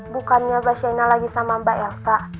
bukannya mbak sienna lagi sama mbak elsa